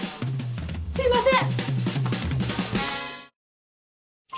すいません！